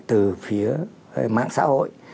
từ phía mạng xã hội